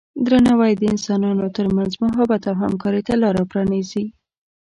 درناوی د انسانانو ترمنځ محبت او همکارۍ ته لاره پرانیزي.